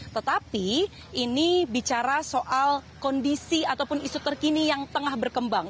tetapi ini bicara soal kondisi ataupun isu terkini yang tengah berkembang